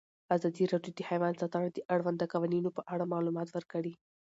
ازادي راډیو د حیوان ساتنه د اړونده قوانینو په اړه معلومات ورکړي.